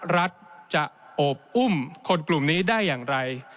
รัฐจะโอบอุ้มคนกลุ่มนี้ได้อย่างไร